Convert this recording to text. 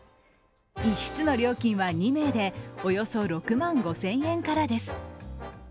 １室の料金は２名でおよそ６万５０００円からです。